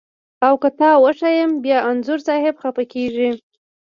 او که تا وښیم بیا انځور صاحب خپه کږي.